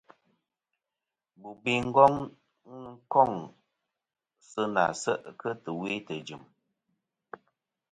Bobe Ngong kôŋ sɨ nà se' kɨ tɨwe tɨjɨ̀m.